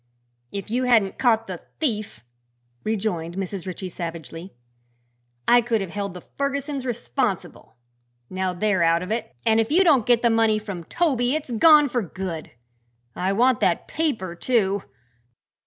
"If you hadn't caught the thief," rejoined Mrs. Ritchie, savagely, "I could have held the Fergusons responsible. Now they're out of it and if you don't get the money from Toby it's gone for good. I want that paper, too."